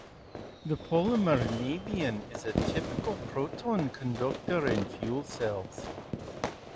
The polymer nafion is a typical proton conductor in fuel cells.